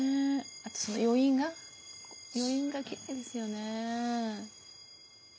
あとその余韻が余韻がきれいですよね。